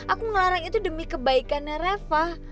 aku ngelarang itu demi kebaikannya reva